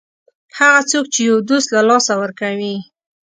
هغه څوک چې یو دوست له لاسه ورکوي.